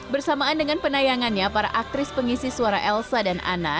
bersamaan dengan penayangannya para aktris pengisi suara elsa dan anna